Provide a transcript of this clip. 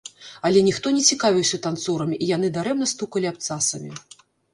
Але ніхто не цікавіўся танцорамі, і яны дарэмна стукалі абцасамі.